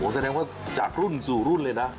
แสดงว่าจากรุ่นสู่รุ่นเลยนะ